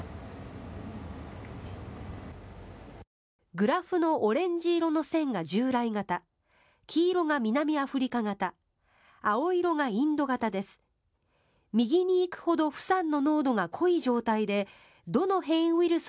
グラフのオレンジ色の線が従来型黄色が南アフリカ型青色がインド型です。